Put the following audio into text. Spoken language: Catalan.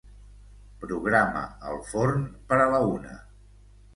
Programa el forn per a la una.